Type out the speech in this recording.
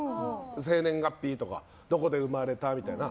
生年月日とかどこで生まれたみたいな。